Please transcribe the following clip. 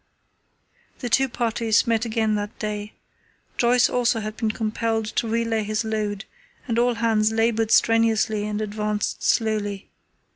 The two parties met again that day. Joyce also had been compelled to relay his load, and all hands laboured strenuously and advanced slowly.